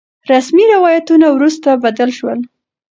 رسمي روايتونه وروسته بدل شول.